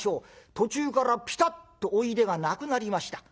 途中からピタッとおいでがなくなりました。